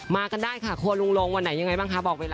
กันได้ค่ะครัวลุงลงวันไหนยังไงบ้างคะบอกเวลา